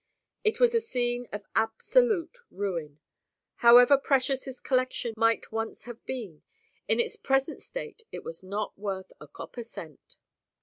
It was a scene of absolute ruin. However precious this collection might once have been, in its present state it was not worth a copper cent.